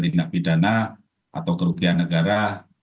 tindak pidana atau kerugian negara